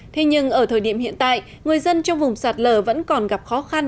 thế nhưng ở thời điểm hiện tại người dân trong vùng sạt lở vẫn còn gặp khó khăn